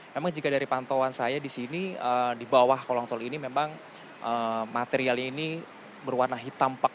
memang jika dari pantauan saya di sini di bawah kolong tol ini memang materialnya ini berwarna hitam